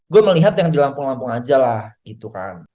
gue melihat yang di lampung lampung aja lah gitu kan